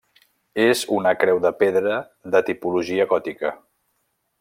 És una creu de pedra de tipologia gòtica.